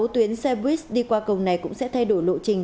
một mươi sáu tuyến xe buýt đi qua cầu này cũng sẽ thay đổi lộ trình